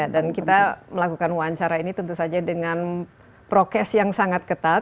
dan kita melakukan wawancara ini tentu saja dengan prokes yang sangat ketat